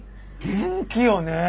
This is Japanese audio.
元気よねえ。